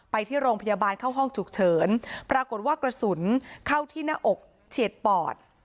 ไปที่โรงพยาบาลเข้าห้องฉุกเฉินปรากฏว่ากระสุนเข้าที่หน้าอกเฉียดปอด